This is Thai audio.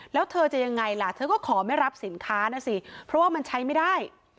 แล้วเธอจะยังไงล่ะเธอก็ขอไม่รับสินค้านะสิเพราะว่ามันใช้ไม่ได้